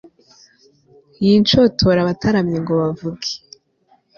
y'inshotora abataramye ngo bavuge